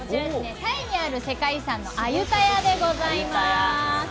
タイにある世界遺産のアユタヤでございます。